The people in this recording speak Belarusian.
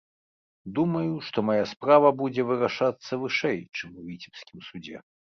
Думаю, што мая справа будзе вырашацца вышэй, чым у віцебскім судзе.